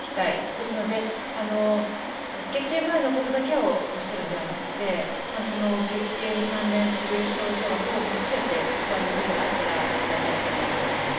ですので月経前のことだけをおっしゃるのではなくて月経に関連する症状をすべて不安なことがあったらお伝えいただければと思います。